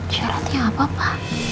syaratnya apa pa